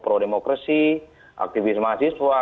pro demokrasi aktivis mahasiswa